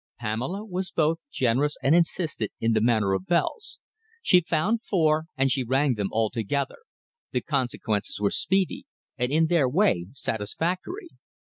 Pamela was both generous and insistent in the matter of bells. She found four, and she rang them all together. The consequences were speedy, and in their way satisfactory.